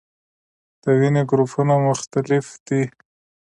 د وینې ګروپونه مختلف دي